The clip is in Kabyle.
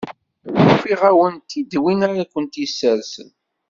Ufiɣ-awent-id win ara kent-yessersen.